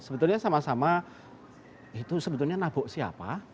sebetulnya sama sama itu sebetulnya nabuk siapa